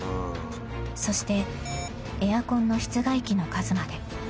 ［そしてエアコンの室外機の数まで］